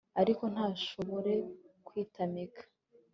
ariko ntashobore kwitamika